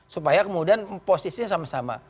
supaya kemudian posisinya sama sama